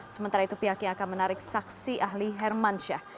sementara itu pihaknya akan menarik saksi ahli hermansyah